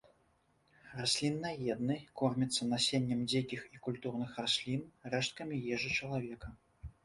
Расліннаедны, корміцца насеннем дзікіх і культурных раслін, рэшткамі ежы чалавека.